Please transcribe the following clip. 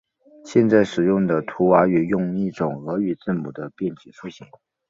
现在使用的图瓦语用一种俄语字母的变体书写。